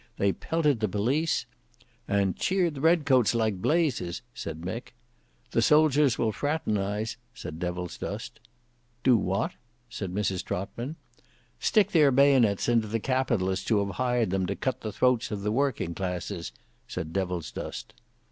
They pelted the police—" "And cheered the red coats like blazes," said Mick. "The soldiers will fraternise," said Devilsdust. "Do what?" said Mrs Trotman. "Stick their bayonets into the Capitalists who have hired them to cut the throats of the working classes," said Devilsdust.